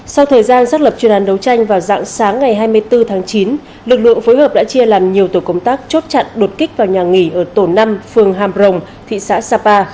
sau thời gian xác lập chuyên án đấu tranh vào dạng sáng ngày hai mươi bốn tháng chín lực lượng phối hợp đã chia làm nhiều tổ công tác chốt chặn đột kích vào nhà nghỉ ở tổ năm phường hàm rồng thị xã sapa